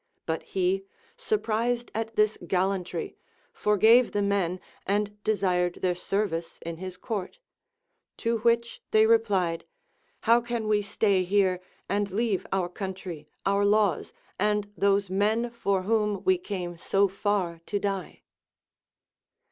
But he, sur prised at this gallantry, forgave the men and desired their service in his court ; to Λvhich they replied, How can we stay here, and leave our country, our laws, and those men for whom we came so far to die